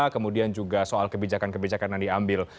kemudian juga soal kebijakan kebijakan yang diambil